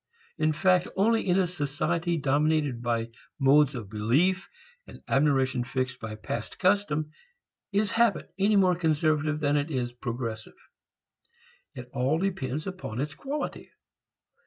In fact only in a society dominated by modes of belief and admiration fixed by past custom is habit any more conservative than it is progressive. It all depends upon its quality.